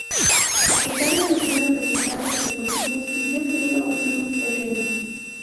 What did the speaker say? A pesar de los buenos resultados deportivos, siguió siendo un club pequeño.